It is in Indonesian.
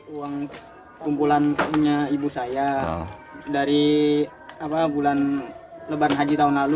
uang kumpulan ibu saya dari bulan lebaran haji tahun lalu